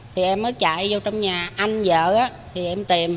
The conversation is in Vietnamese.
thì em mới chạy vô trong nhà anh vợ thì em tìm